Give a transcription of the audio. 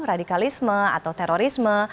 radikalisme atau terorisme